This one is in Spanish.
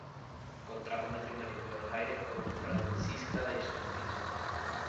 Contrajo matrimonio en Buenos Aires con Francisca de Insua.